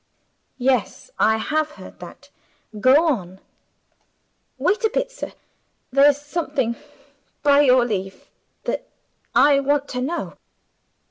"Yes; I have heard that. Go on." "Wait a bit, sir. There's something, by your leave, that I want to know.